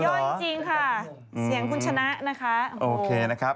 เสียงคุณชนะนะคะโอเคนะครับ